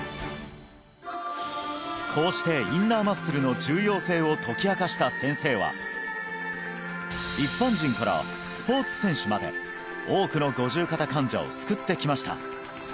こうしてインナーマッスルの重要性を解き明かした先生は一般人からスポーツ選手まで多くの五十肩患者を救ってきました